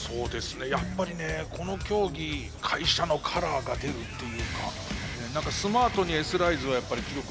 やっぱりねこの競技会社のカラーが出るっていうか何かスマートにＳライズはやっぱり記録を出してくる。